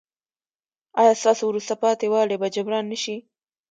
ایا ستاسو وروسته پاتې والی به جبران نه شي؟